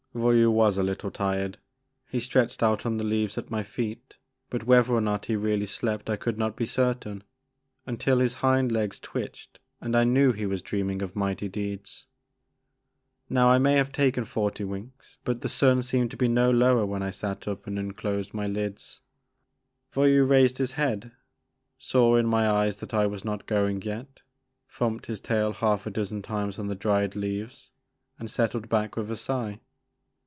Voyou was a little tired. He stretched out on the leaves at my feet but whether or not he really slept I could not be certain, until his hind legs twitched and I knew he was dreaming of mighty deeds. Now I may have taken forty winks, but the sun seemed to be no lower when I sat up and un closed my lids. Voyou raised his head, saw in my eyes that I was not going yet, thumped his tail half a dozen times on the dried leaves, and settled back with a sigh.